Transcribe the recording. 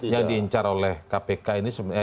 yang diincar oleh dpr pansus